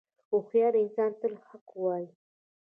• هوښیار انسان تل حق وایی.